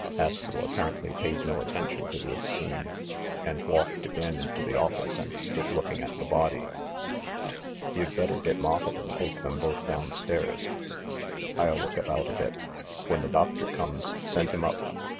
Astro apparently paid no attention to this scene, and walked again into the office and stood looking at the body. "You'd better get Moffett and take them both down stairs. I'll look about a bit. When the doctor comes, send him up.